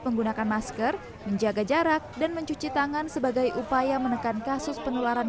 menggunakan masker menjaga jarak dan mencuci tangan sebagai upaya menekan kasus penularan